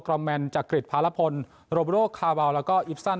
กรอมแมนจักริดพาระพลโรบโลกคาบาวแล้วก็อิพซัน